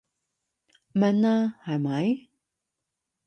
明啦係咪？